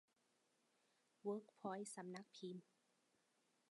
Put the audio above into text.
เวิร์คพอยท์สำนักพิมพ์